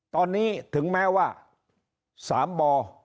ตอนนี้ถึงแม้ว่า๓บ่อ